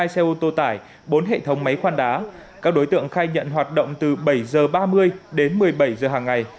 hai xe ô tô tải bốn hệ thống máy khoan đá các đối tượng khai nhận hoạt động từ bảy h ba mươi đến một mươi bảy h hàng ngày